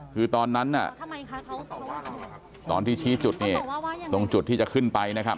คือตอนนั้นน่ะตอนที่ชี้จุดนี่ตรงจุดที่จะขึ้นไปนะครับ